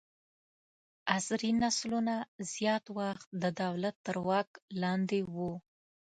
عصري نسلونه زیات وخت د دولت تر واک لاندې وو.